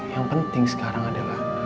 yang penting sekarang adalah